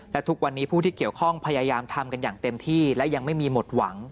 และทุกวันนี้ผู้ที่เกี่ยวข้องพยายามทำกันอย่างเต็มที่และยังไม่มีหมดหวัง